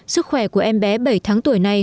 sức khỏe của em bé bảy tháng tuổi này